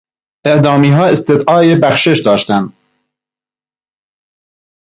اعدامیها استدعای بخشش داشتند.